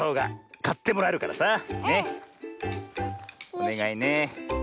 おねがいね。